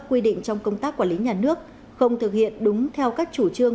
quy định trong công tác quản lý nhà nước không thực hiện đúng theo các chủ trương